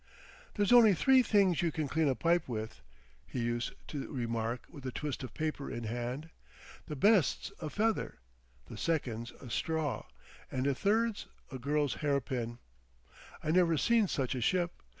"There's only three things you can clean a pipe with," he used to remark with a twist of paper in hand. "The best's a feather, the second's a straw, and the third's a girl's hairpin. I never see such a ship.